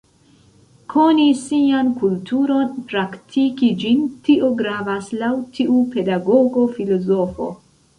Koni sian kulturon, praktiki ĝin, tio gravas laŭ tiu pedagogo filozofo.